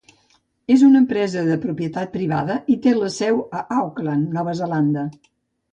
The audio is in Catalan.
És una empresa de propietat privada i té la seu a Auckland, Nova Zelanda.